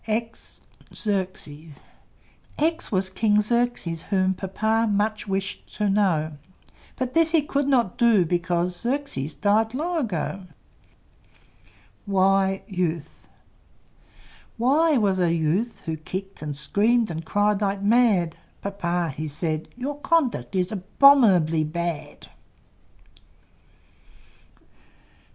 X X was King Xerxes, whom Papa much wished to know; But this he could not do, because Xerxes died long ago. Y Y was a Youth, who kicked And screamed and cried like mad; Papa he said, "Your conduct is Abominably bad!"